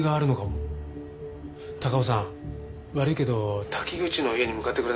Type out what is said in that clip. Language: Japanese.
高尾さん悪いけど滝口の家に向かってくれないかな？